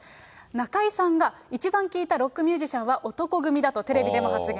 中居さんが一番聴いたロックミュージシャンは男闘呼組だとテレビでも発言。